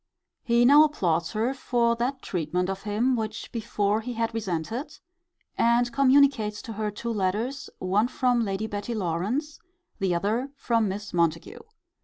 He now applauds her for that treatment of him which before he had resented; and communicates to her two letters, one from Lady Betty Lawrance, the other from Miss Montague.